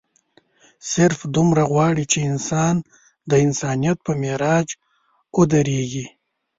صرف دومره غواړي چې انسان د انسانيت پۀ معراج اودريږي